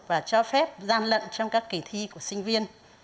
và cho phép gian lận trong các kỳ thi của sinh viên